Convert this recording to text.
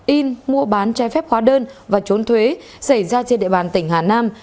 in mua bán trái phép hóa đơn và trốn thuế xảy ra trên địa bàn tỉnh hà nam